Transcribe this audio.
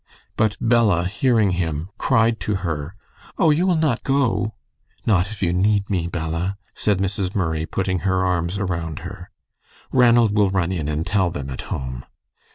But Bella, hearing him, cried to her: "Oh, you will not go?" "Not if you need me, Bella," said Mrs. Murray, putting her arms around her. "Ranald will run in and tell them at home."